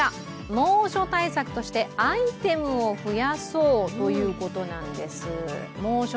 猛暑対策としてアイテムを増やそうということなんです。